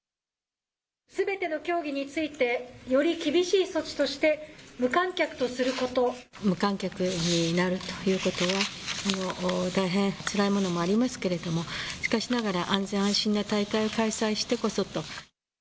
すべての競技について、より厳しい措置として、無観客と無観客になるということは、大変つらいものもありますけれども、しかしながら安全安心な大会を開催してこそと。